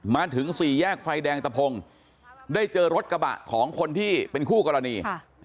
มาถึงสี่แยกไฟแดงตะพงได้เจอรถกระบะของคนที่เป็นคู่กรณี